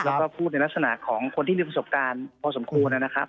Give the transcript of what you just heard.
แล้วก็พูดในลักษณะของคนที่มีประสบการณ์พอสมควรนะครับ